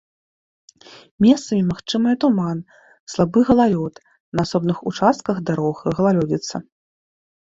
Месцамі магчымыя туман, слабы галалёд, на асобных участках дарог галалёдзіца.